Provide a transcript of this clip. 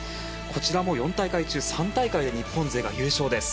こちらも４大会中３大会を日本勢が優勝です。